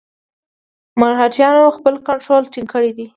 مرهټیانو خپل کنټرول ټینګ کړی دی.